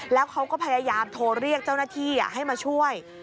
แล้วเขาก็พยายามโทรเรียกเจ้าหน้าที่ให้มาช่วย